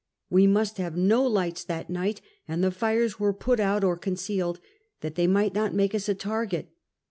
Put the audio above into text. "We must have no lights that night, and the fires were put out or con cealed, that they might not make us a target.